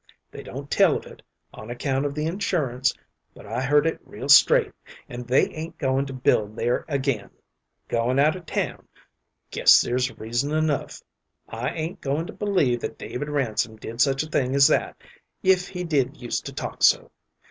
They don't tell of it, on account of the insurance, but I heard it real straight; and they ain't goin' to build there again, — goin' out of town; guess there's reason enough. I ain't goin' to believe that David Ransom did such a thing as that, if he did used to talk so.